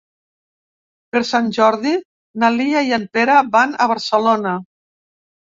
Per Sant Jordi na Lia i en Pere van a Barcelona.